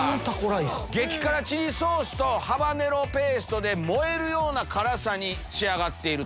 激辛チリソースとハバネロペーストで燃えるような辛さに仕上がっている。